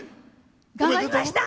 頑張りました！